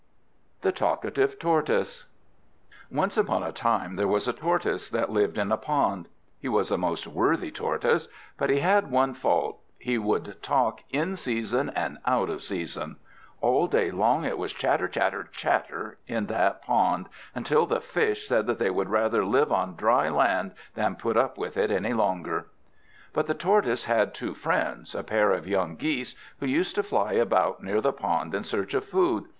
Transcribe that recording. THE TALKATIVE TORTOISE Once upon a time there was a Tortoise that lived in a pond. He was a most worthy Tortoise, but he had one fault, he would talk in season and out of season; all day long it was chatter, chatter, chatter in that pond, until the fish said that they would rather live on dry land than put up with it any longer. But the Tortoise had two friends, a pair of young Geese, who used to fly about near the pond in search of food.